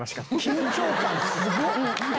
緊張感すごっ！